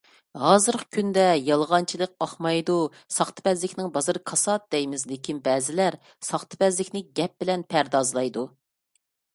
ھازىرقى كۈندە يالغانچىلىق ئاقمايدۇ، ساختىپەزلىكنىڭ بازىرى كاسات دەيمىز، لېكىن بەزىلەر ساختىپەزلىكنى گەپ بىلەن پەردازلايدۇ.